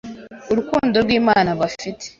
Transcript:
Urukundo rw’Imana bafite